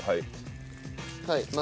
はい。